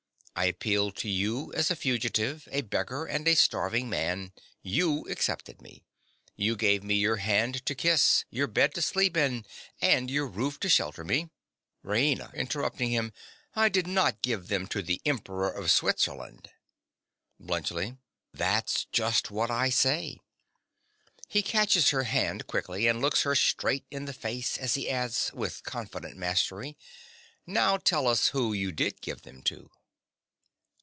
I appealed to you as a fugitive, a beggar, and a starving man. You accepted me. You gave me your hand to kiss, your bed to sleep in, and your roof to shelter me— RAINA. (interrupting him). I did not give them to the Emperor of Switzerland! BLUNTSCHLI. That's just what I say. (He catches her hand quickly and looks her straight in the face as he adds, with confident mastery) Now tell us who you did give them to.